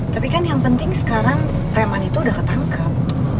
tapi kan yang penting sekarang preman itu udah ketangkap